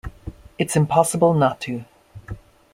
It's impossible not to.